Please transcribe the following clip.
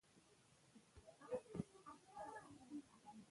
د مکې ښار منظره د غونډیو تر منځ ثبت شوې ده.